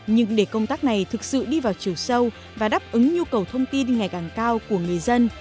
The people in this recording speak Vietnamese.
nhưng để công tác này thực sự đi vào chiều sâu và đáp ứng nhu cầu thông tin ngày càng cao của người dân